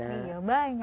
iya banyak kan